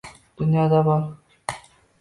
Dunyoda bor!